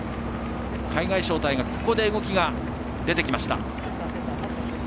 海外招待がここで動きが出てきました。